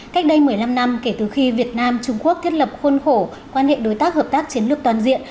cách đây một mươi năm năm kể từ khi việt nam trung quốc thiết lập khuôn khổ quan hệ đối tác hợp tác chiến lược toàn diện